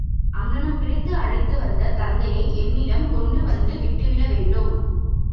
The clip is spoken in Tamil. அங்ஙனம் பிரித்து அழைத்துவந்த தத்தையை, என்னிடம் கொண்டுவந்து விட்டுவிடவேண்டும்.